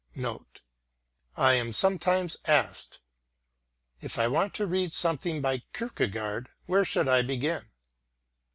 Note: I am sometimes asked: "If I want to read something by Kierkegaard, where should I begin?"